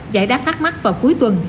giải đáp thắc mắc vào cuối tuần